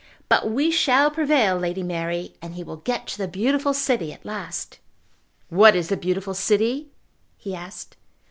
But we shall prevail, Lady Mary, and he will get to the beautiful city at last." "What is the beautiful city?" he asked.